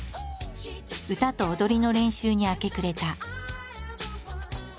歌と踊りの練習に明け暮れた。